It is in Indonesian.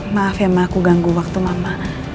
maaf ya ma aku ganggu waktu mama